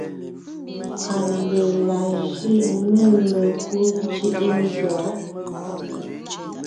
ANDÈ la jʉ̂ʼ mê mekú ńcʉ̂ʼʉ nzɔ̌?